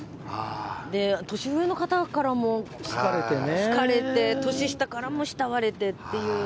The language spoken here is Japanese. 年上の方からも好かれて、年下からも慕われてっていう。